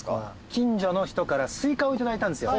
近所の人からスイカを頂いたんですよ。